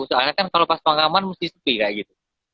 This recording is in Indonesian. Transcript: soalnya kan kalau pas pengaman mesti sepi kayak gitu